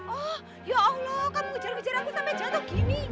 oh ya allah kamu ngejar ngejar aku sampai jatuh gini